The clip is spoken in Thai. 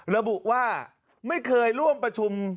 ระบุว่าไม่เคยร่วมประชุม